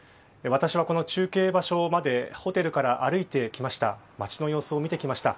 私はこの中継場所までホテルから歩いてきました。